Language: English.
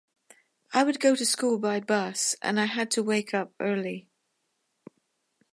I would go to school by bus and I had to wake up early.